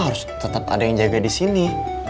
harus tetap ada yang jaga di sini